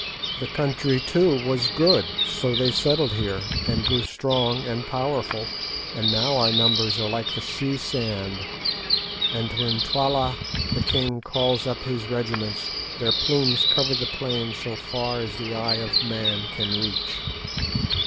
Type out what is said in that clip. "The country, too, was good, so they settled here and grew strong and powerful, and now our numbers are like the sea sand, and when Twala the king calls up his regiments their plumes cover the plain so far as the eye of man can reach."